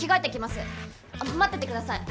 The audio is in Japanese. あっ待っててください。